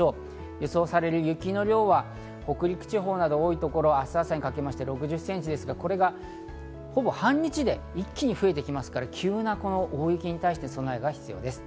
予想される雪の量は北陸地方など多いところ、明日朝にかけまして６０ｃｍですがこれがほぼ半日で一気に増えてきますから、急な大雪に対して備えが必要です。